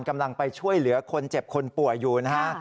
กำลังไปช่วยเหลือคนเจ็บคนป่วยอยู่นะฮะ